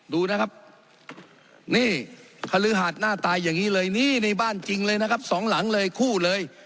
ดูนะครับนี่คฤหาดหน้าตายอย่างนี้เลยนี่ในบ้านจริงเลยนะครับสองหลังเลยคู่เลย